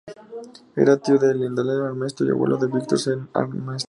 Era tío de Indalecio Armesto y abuelo de Víctor Said Armesto.